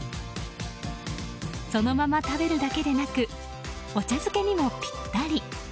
そのまま食べるだけでなくお茶漬けにもぴったり。